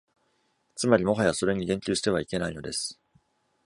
つまり、もはやそれに言及してはいけないのです。